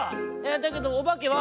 「だけどおばけは？」。